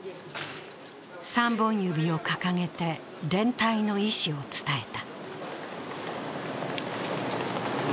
３本指を掲げて連帯の意思を伝えた。